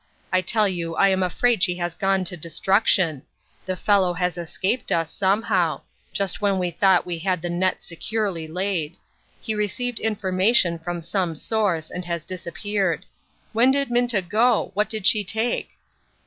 I tell you I am afraid she has gone to destruction. The fellow has escaped us, somehow ; just when we thought we had the STORMY WEATHER. 2IQ net securely laid ; he received information from some source, and has disappeared. When did Minta go ? What did she take